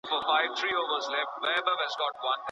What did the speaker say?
د ښار په هر کور کې د ورک سمندر نښه لا رازوړنده وه